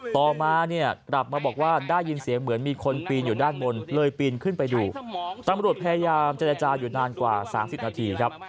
ต่อมาเนี่ยกลับมาบอกว่าได้ยินเสียงเหมือนมีคนปีนอยู่ด้านบนเลยปีนขึ้นไปดูตำรวจพยายามเจรจาอยู่นานกว่า๓๐นาทีครับ